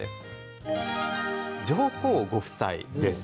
上皇ご夫妻です。